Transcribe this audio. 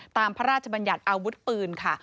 พระราชบัญญัติอาวุธปืนค่ะ